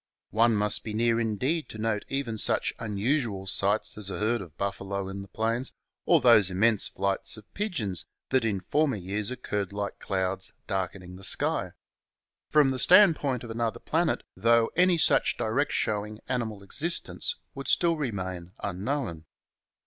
One must be near indeed to note even such unusual sights as a herd of buffalo in the plains or those immense flights of pigeons, that in former years occurred like clouds darkening the air. From the standpoint of another planet, through any such direct showing animal existence would still remain un known.